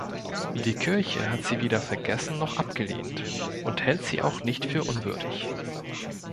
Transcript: Die Kirche hat Sie weder vergessen noch abgelehnt und hält Sie auch nicht für unwürdig.